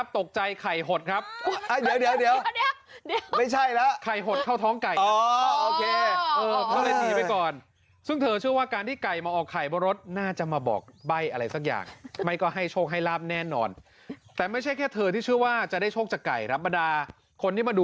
แต่มันออกที่ไหนติดตามในหัวเขียวข่าวเด็ด